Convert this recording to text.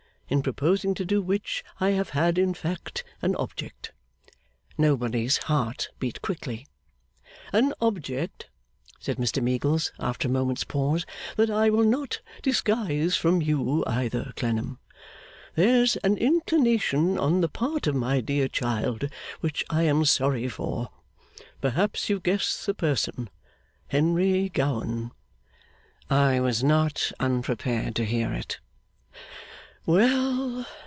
In proposing to do which, I have had, in fact, an object.' Nobody's heart beat quickly. 'An object,' said Mr Meagles, after a moment's pause, 'that I will not disguise from you, either, Clennam. There's an inclination on the part of my dear child which I am sorry for. Perhaps you guess the person. Henry Gowan.' 'I was not unprepared to hear it.' 'Well!